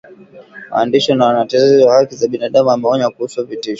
waandishi na watetezi wa haki za binadamu wameonya kuhusu vitisho